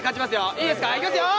いいですか、いきますよ！